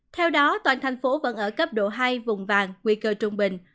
theo đó toàn thành phố vẫn ở cấp độ hai vùng vàng nguy cơ trung bình